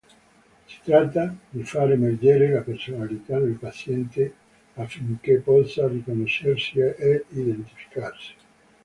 Si tratta di far emergere la personalità del paziente, affinché possa riconoscersi ed identificarsi.